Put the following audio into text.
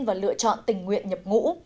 và lựa chọn tình nguyện nhập ngũ